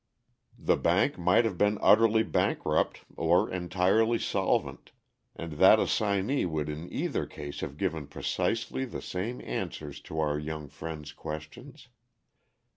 The bank might have been utterly bankrupt or entirely solvent, and that assignee would in either case have given precisely the same answers to our young friend's questions.